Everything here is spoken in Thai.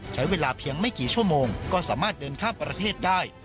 ใช้เวลาเพียงไม่กี่ชั่วโมงก็สามารถเดินข้ามประเทศได้